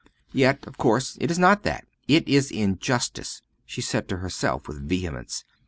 "Yet, of course, it is not that; it is injustice!" she said to herself, with vehemence.